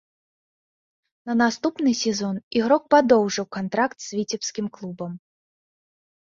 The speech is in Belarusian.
На наступны сезон ігрок падоўжыў кантракт з віцебскім клубам.